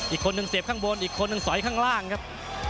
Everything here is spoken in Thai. อีกคนนึงเสียบข้างบนอีกคนหนึ่งสอยข้างล่างครับ